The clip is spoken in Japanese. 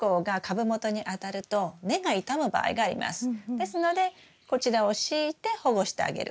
ですのでこちらを敷いて保護してあげる。